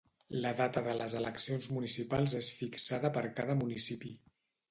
La data de les eleccions municipals és fixada per cada municipi.